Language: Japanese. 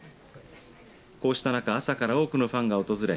こうした中朝から多くのファンが訪れ